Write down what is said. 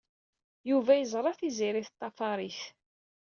Yuba yeẓra Tiziri teṭṭafar-it.